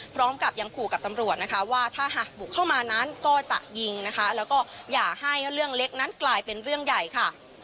พร้อมกับยังขู่กับตำรวจนะคะว่าถ้าหากบุกเข้ามานั้นก็จะยิงนะคะแล้วก็อย่าให้เรื่องเล็กนั้นกลายเป็นเรื่องใหญ่ค่ะ